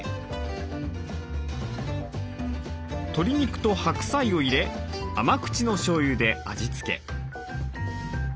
鶏肉と白菜を入れ甘口のしょうゆで味付け。